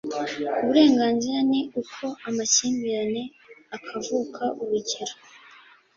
uburenganzira ni uko amakimbirane akavuka Urugero